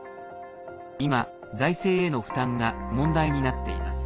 今、財政への負担が問題になっています。